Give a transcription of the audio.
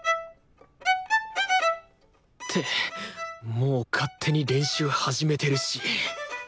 もう勝手に練習始めてるし。